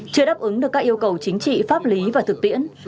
chưa đáp ứng được các yêu cầu chính trị pháp lý và thực tiễn